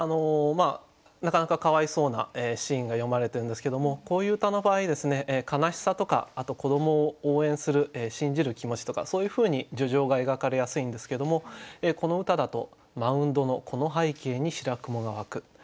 なかなかかわいそうなシーンが詠まれてるんですけどもこういう歌の場合ですね悲しさとかあと子どもを応援する信じる気持ちとかそういうふうに叙情が描かれやすいんですけどもこの歌だと「マウンドの子の背景に白雲が湧く」。